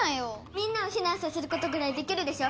みんなをひなんさせることぐらいできるでしょ。